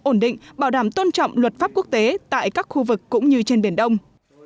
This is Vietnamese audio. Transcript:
ổn định bảo đảm tôn trọng luật pháp quốc tế tại các khu vực cũng như trên biển đông